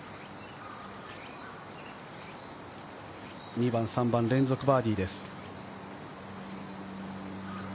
２番、３番、連続バーディーです。